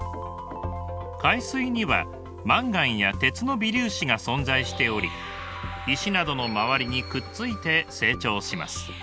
海水にはマンガンや鉄の微粒子が存在しており石などの周りにくっついて成長します。